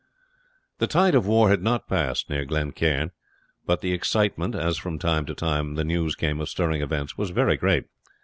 The tide of war had not passed near Glen Cairn; but the excitement, as from time to time the news came of stirring events, was very great.